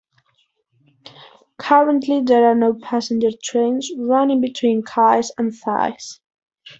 Currently there are no passenger trains running between Kayes and Thies.